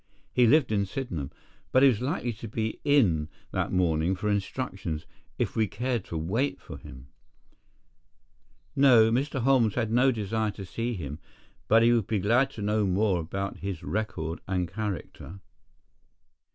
He lived at Sydenham, but he was likely to be in that morning for instructions, if we cared to wait for him. No, Mr. Holmes had no desire to see him, but would be glad to know more about his record and character.